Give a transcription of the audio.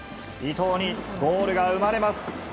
伊東にゴールが生まれます。